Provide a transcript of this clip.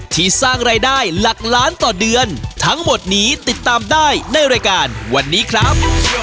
ที่สร้างรายได้หลักล้านต่อเดือนทั้งหมดนี้ติดตามได้ในรายการวันนี้ครับ